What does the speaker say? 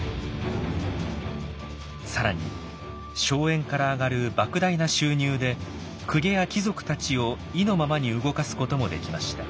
更に荘園からあがるばく大な収入で公家や貴族たちを意のままに動かすこともできました。